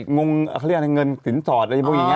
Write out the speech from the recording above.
งงเขาเรียกว่าเงินสินสอดอะไรอย่างนี้